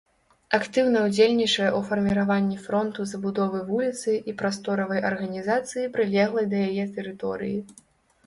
Актыўна ўдзельнічае ў фарміраванні фронту забудовы вуліцы і прасторавай арганізацыі прылеглай да яе тэрыторыі.